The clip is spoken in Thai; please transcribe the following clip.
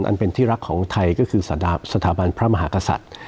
อันเป็นที่รักของไทยก็คือสถาบันพระมหากษัตริย์